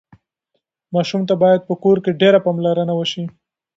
ماشوم ته باید په کور کې ډېره پاملرنه وشي.